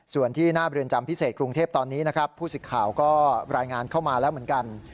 ส่วนที่หน้าเรือนจำพิเศษกรุงเทพตอนนี้นะครับผู้สิทธิ์ข่าวก็รายงานเข้ามาแล้วเหมือนกัน